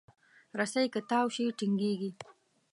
رسۍ که تاو شي، ټینګېږي.